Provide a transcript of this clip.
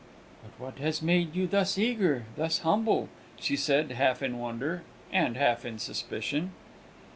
"But what has made you thus eager, thus humble?" she said, half in wonder and half in suspicion.